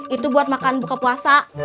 itu buat makan buka puasa